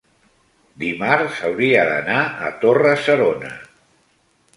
dimarts hauria d'anar a Torre-serona.